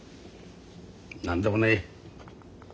何でもねえ。